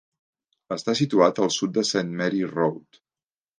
Està situat al sud de Saint-Marys Road.